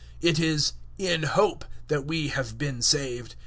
008:024 It is *in hope* that we have been saved.